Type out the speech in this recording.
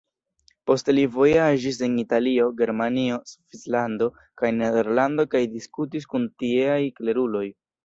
Poste li vojaĝis en Italio, Germanio, Svislando kaj Nederlando kaj diskutis kun tieaj kleruloj.